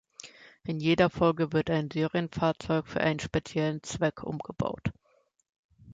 In jeder Folge wird ein Serienfahrzeug für einen speziellen Zweck umgebaut.